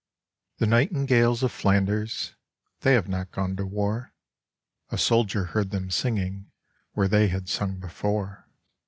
The nightingales of Flanders, They have not gone to war. A soldier heard them singing Where they had sung before.